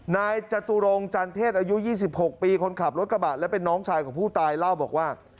นายจตุรงจันเทศอายุ๒๖ปีคนขับรถกระบะและเป็นน้องชายของผู้ตายเล่าบอกว่า